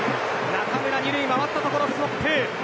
中村は２塁を回ったところでストップ。